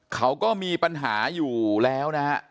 เขาก็มีปัญหาอยู่แล้วนะฮะ